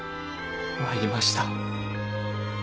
参りました。